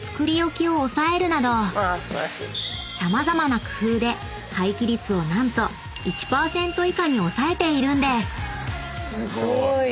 ［様々な工夫で廃棄率を何と１％以下に抑えているんです］